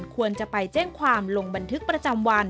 ควรจะไปแจ้งความลงบันทึกประจำวัน